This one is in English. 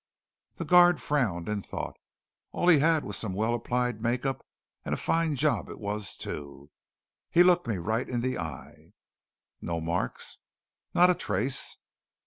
The guard frowned in thought. "All he had was some well applied make up, and a fine job it was, too. He looked me right in the eye." "No marks?" "Not a trace."